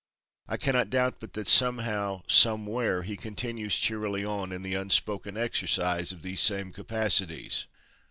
I cannot doubt but that somehow, somewhere, he continues cheerily on in the unspoken exercise of these same capacities."